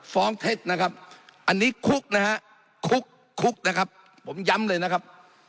ฟ้องเทคอันนี้คุกนะครับคุกนะผมย้ำเลยนะครับ